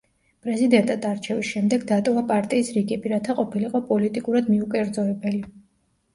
პრეზიდენტად არჩევის შემდეგ დატოვა პარტიის რიგები, რათა ყოფილიყო პოლიტიკურად მიუკერძოებელი.